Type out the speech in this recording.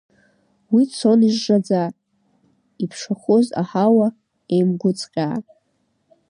Уи цон ижжаӡа, иԥшахоз аҳауа еимгәыцҟьаа.